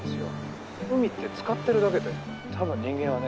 海って漬かってるだけでたぶん人間はね